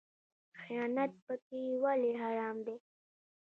خیانت پکې ولې حرام دی؟